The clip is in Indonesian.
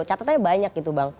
catatannya banyak gitu bang